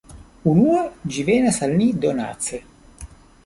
Unue, ĝi venas al ni donace.